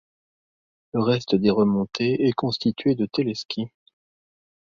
La reste des remontées est constitué de téléskis.